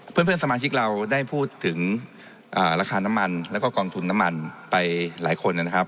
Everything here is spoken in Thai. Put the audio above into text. เพื่อนสมาชิกเราได้พูดถึงราคาน้ำมันแล้วก็กองทุนน้ำมันไปหลายคนนะครับ